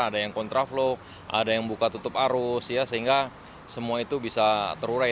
ada yang kontraflok ada yang buka tutup arus ya sehingga semua itu bisa terurai